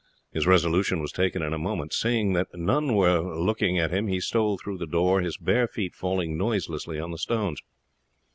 His resolution was taken in a moment. Seeing that none were looking at him he stole through the door, his bare feet falling noiselessly on the stones.